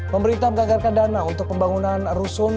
pemerintah menganggarkan dana untuk pembangunan rusun